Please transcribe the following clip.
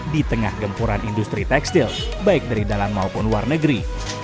di tengah gempuran industri tekstil baik dari dalam maupun luar negeri